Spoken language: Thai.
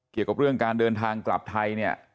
เปิดเผยกับเรื่องการเดินทางกลับไทย